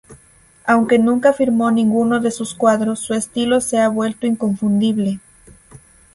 Aunque nunca firmó ninguno de sus cuadros, su estilo se ha vuelto inconfundible.